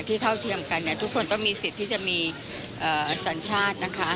เท่าเทียมกันเนี่ยทุกคนต้องมีสิทธิ์ที่จะมีสัญชาตินะคะ